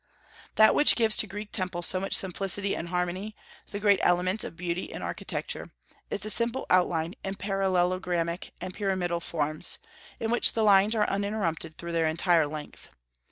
That which gives to the Greek temples so much simplicity and harmony, the great elements of beauty in architecture, is the simple outline in parallelogrammic and pyramidal forms, in which the lines are uninterrupted through their entire length.